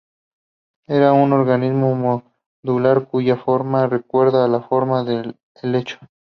Era un organismo modular cuya forma recuerda la fronda de un helecho.